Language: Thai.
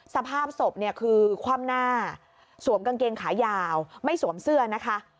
สภาพศพเนี่ยคือคว่ำหน้าสวมกางเกงขายาวไม่สวมเสื้อนะคะ